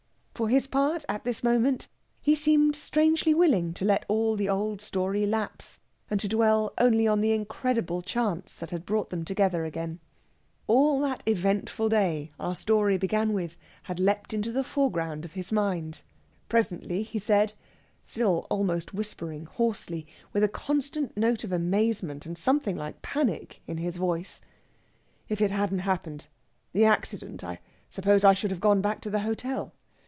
For his part, at this moment, he seemed strangely willing to let all the old story lapse, and to dwell only on the incredible chance that had brought them again together. All that eventful day our story began with had leaped into the foreground of his mind. Presently he said, still almost whispering hoarsely, with a constant note of amazement and something like panic in his voice: "If it hadn't happened the accident I suppose I should have gone back to the hotel.